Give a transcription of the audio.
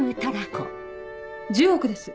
１０億です。